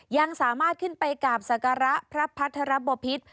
ยังสามารถขึ้นไปกราบศักระพระพัทรบพิษ